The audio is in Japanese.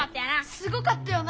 すごかったよな